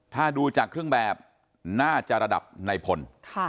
ถ้าดูจากเครื่องแบบน่าจะระดับในพล